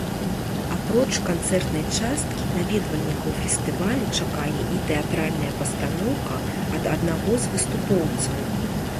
Апроч канцэртнай часткі, наведвальнікаў фестывалю чакае і тэатральная пастаноўка ад аднаго з выступоўцаў.